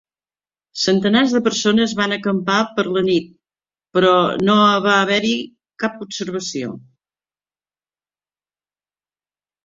Centenars de persones van acampar per la nit, però no va haver-hi cap observació.